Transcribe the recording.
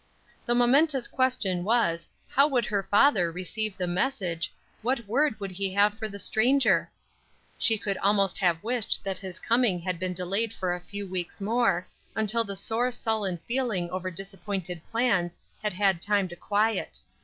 The momentous question was, how would her father receive the message, what word would he have for the stranger? She could almost have wished that his coming had been delayed for a few weeks more, until the sore sullen feeling over disappointed plans had had time to quiet.